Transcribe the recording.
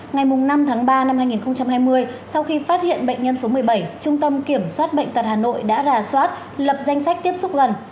ngày năm tháng ba năm hai nghìn hai mươi sau khi phát hiện bệnh nhân số một mươi bảy trung tâm kiểm soát bệnh tật hà nội đã ra soát lập danh sách tiếp xúc gần